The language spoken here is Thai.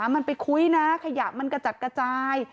มันไปคุ้ยนะขยะมันกระจัดกระจาย